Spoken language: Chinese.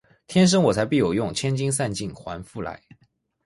天生我材必有用，千金散尽还复来